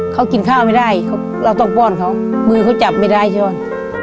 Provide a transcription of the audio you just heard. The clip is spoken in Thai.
เขากินข้าวไม่ได้เราต้องป้อนเขามือเขาจับไม่ได้ใช่ไหม